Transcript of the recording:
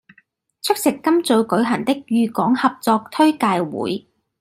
出席今早舉行的渝港合作推介會